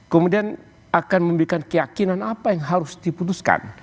kemudian akan memberikan keyakinan apa yang harus diputuskan